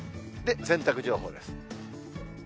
で、洗濯情報です。